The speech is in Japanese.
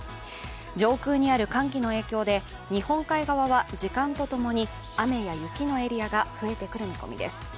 上空にある寒気の影響で日本海側は時間とともに雨や雪のエリアが増えてくる見込みです。